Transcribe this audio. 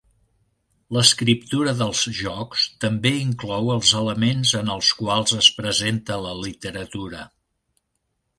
L'escriptura dels jocs també inclou els elements en els quals es presenta la literatura.